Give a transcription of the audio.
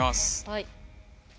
はい。